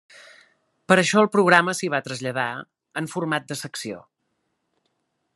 Per això el programa s'hi va traslladar, en format de secció.